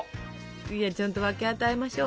いやちゃんと分け与えましょう。